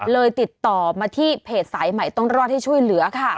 ติดต่อมาที่เพจสายใหม่ต้องรอดให้ช่วยเหลือค่ะ